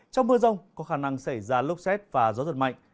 trong mưa rông có khả năng xảy ra lốc xét và gió giật mạnh